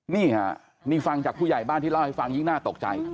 นี่ค่ะนี่ฟังจากผู้ใหญ่บ้านที่เล่าให้ฟังยิ่งน่าตกใจ